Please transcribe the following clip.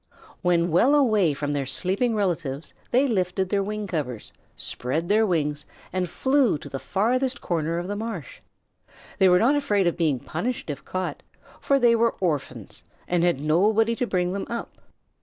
When well away from their sleeping relatives, they lifted their wing covers, spread their wings, and flew to the farthest corner of the marsh. They were not afraid of being punished if caught, for they were orphans and had nobody to bring them up.